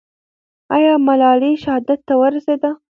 آیا ملالۍ شهادت ته ورسېده؟